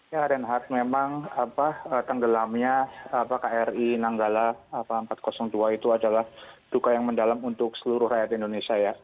ya reinhardt memang tenggelamnya kri nanggala empat ratus dua itu adalah duka yang mendalam untuk seluruh rakyat indonesia ya